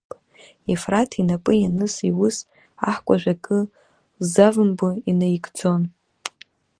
Ефраҭ инапы ианыз иус аҳкәажә акы лзавымбо инаигӡон.